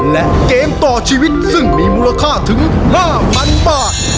และเกมต่อชีวิตซึ่งมีมูลค่าถึง๕๐๐๐บาท